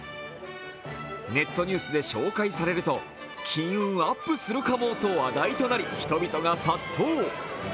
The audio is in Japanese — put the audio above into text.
ネットニュースで紹介されると、金運アップするかもと話題となり、人々が殺到。